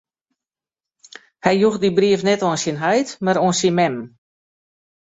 Hy joech dy brief net oan syn heit, mar oan syn mem.